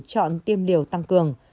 chọn tiêm liều tăng cường